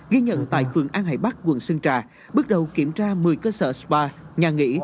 ghi nhận tại phường an hải bắc quận sơn trà bước đầu kiểm tra một mươi cơ sở spa nhà nghỉ